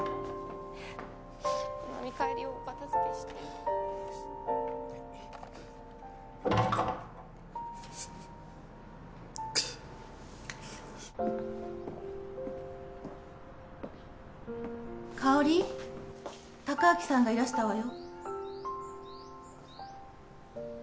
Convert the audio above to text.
七海帰るよお片付けして香織隆明さんがいらしたわよ